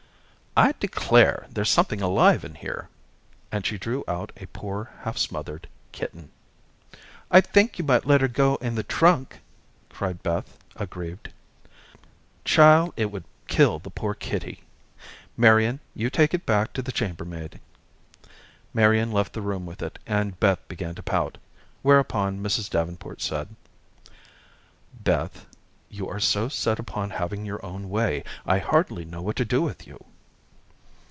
"I declare, there's something alive in here," and she drew out a poor, half smothered kitten. "I think you might let her go in the trunk," cried Beth, aggrieved. "Child, it would kill the poor kitty. Marian, you take it back to the chambermaid." Marian left the room with it, and Beth began to pout, whereupon Mrs. Davenport said: "Beth, you are so set upon having your own way, I hardly know what to do with you."